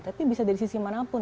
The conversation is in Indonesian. tapi bisa dari sisi mana pun